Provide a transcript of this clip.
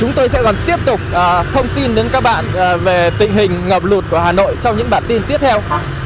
chúng tôi sẽ còn tiếp tục thông tin đến các bạn về tình hình ngập lụt của hà nội trong những bản tin tiếp theo